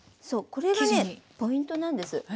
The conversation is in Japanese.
そうこれがねポイントなんです。